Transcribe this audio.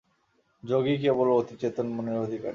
যোগীই কেবল অতিচেতন মনের অধিকারী।